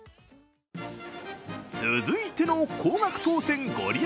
続いての高額当せん御利益